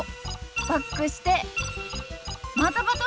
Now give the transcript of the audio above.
バックしてまたバトンタッチ！